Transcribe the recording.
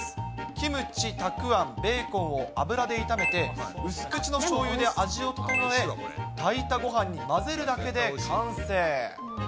キムチ、たくあん、ベーコンを油で炒めて、薄口のしょうゆで味を調え、炊いたごはんに混ぜるだけで完成。